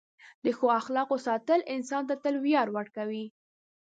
د ښه اخلاقو ساتل انسان ته تل ویاړ ورکوي.